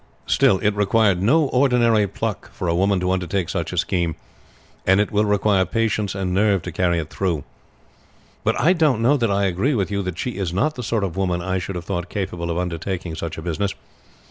Still it required no ordinary pluck for a woman to undertake such a scheme, and it will require patience and nerve to carry it through; but I don't know that I agree with you that she is not the sort of woman I should have thought capable of undertaking such a business.